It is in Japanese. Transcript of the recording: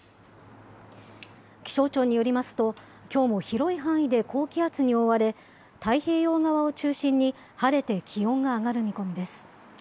気象庁によりますと、きょうも広い範囲で高気圧に覆われ、太平洋側を中心に晴れて気温が上がる見込みです。